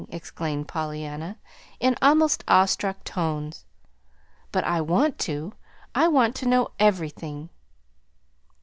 exclaimed Pollyanna, in almost awestruck tones. "But I want to; I want to know everything."